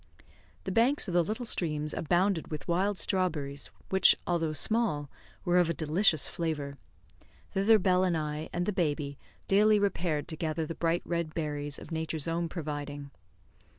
The banks of the little streams abounded with wild strawberries, which, although small, were of a delicious flavour. Thither Bell and I, and the baby, daily repaired to gather the bright red berries of Nature's own providing.